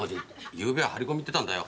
ゆうべは張り込み行ってたんだよ。